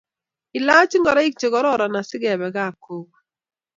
Ilaach ngoroik che kororon asikebe kap gogo.